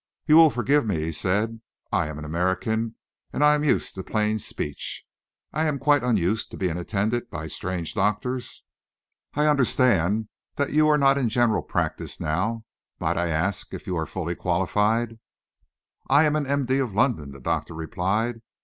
"You will forgive me," he said. "I am an American and I am used to plain speech. I am quite unused to being attended by strange doctors. I understand that you are not in general practice now. Might I ask if you are fully qualified?" "I am an M.D. of London," the doctor replied.